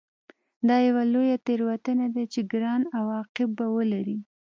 دا یوه لویه تېروتنه ده چې ګران عواقب به ولري